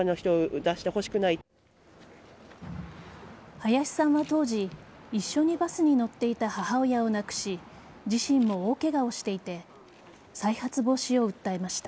林さんは当時一緒にバスに乗っていた母親を亡くし自身も大ケガをしていて再発防止を訴えました。